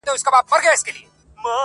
پټ دي له رویبار څخه اخیستي سلامونه دي؛؛!